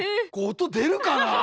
音出るかな。